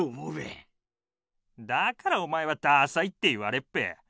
だからおまえはダサいって言われっぺ。